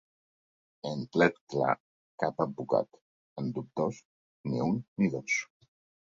En plet clar, cap advocat; en dubtós, ni un ni dos.